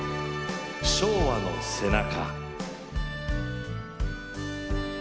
「昭和の背中」。